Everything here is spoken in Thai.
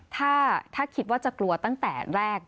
ถ้าคิดว่าจะกลัวตั้งแต่แรก